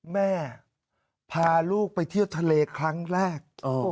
แม่พาลูกไปเที่ยวทะเลครั้งแรก